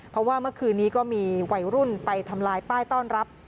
เพราะว่าเมื่อคืนนี้ก็มีวัยรุ่นไปทำลายป้ายต้อนรับ